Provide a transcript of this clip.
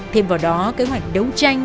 thêm vào đó kế hoạch đấu tranh